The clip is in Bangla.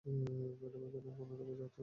ম্যাডাম, এখানে কোনো ঠগবাজি করা হচ্ছে না।